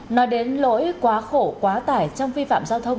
nói đến lỗi quá khổ quá tải trong vi phạm giao thông